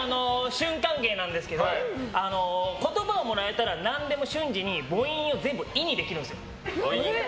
瞬間芸なんですけど言葉をもらえたら、何でも瞬時に母音を全部「い」にできるんですよ。